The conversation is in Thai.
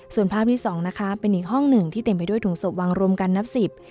ส่วนภาพที่สองนะคะเป็นอีกห้องหนึ่งที่เต็มไปด้วยถุงศพวางรวมกันนับสิบ